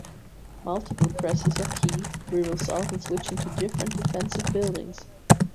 Multiple presses of key will result in switching to different defensive buildings.